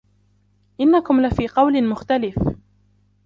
إنكم لفي قول مختلف